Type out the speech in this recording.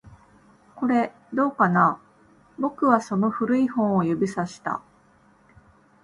これ、どうかな？僕はその古い本を指差した